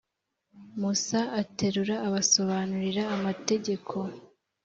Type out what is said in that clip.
musa aterura abasobanurira amategeko